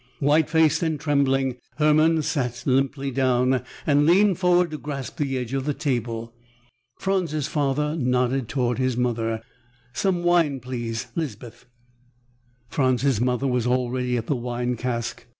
White faced and trembling, Hermann sat limply down and leaned forward to grasp the edge of the table. Franz's father nodded toward his mother. "Some wine please, Lispeth." Franz's mother was already at the wine cask.